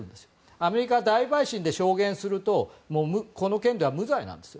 アメリカ大陪審で証言するともうこの件では無罪なんです。